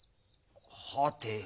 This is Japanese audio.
はて？